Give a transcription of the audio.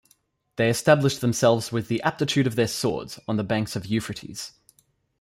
They established themselves with the aptitude of their swords on the banks of Euphrates.